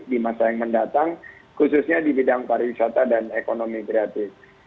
di masa yang mendatang khususnya di bidang pariwisata dan ekonomi kreatif